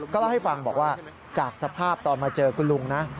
เล่าให้ฟังบอกว่าจากสภาพตอนมาเจอคุณลุงนะ